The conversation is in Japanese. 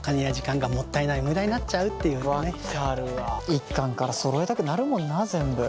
１巻からそろえたくなるもんな全部。